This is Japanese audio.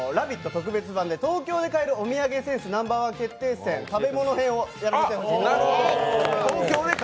特別版で東京で買えるお土産センスＮｏ．１決定戦食べ物編をやらさせていただきます。